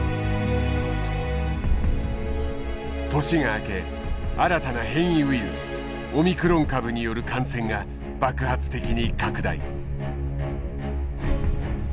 年が明け新たな変異ウイルスオミクロン株による感染が爆発的に拡大。